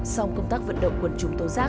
sau công tác vận động quân chủ tố giác